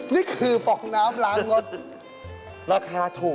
นี่คือฟองน้ำล้างรถ